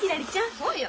そうよ。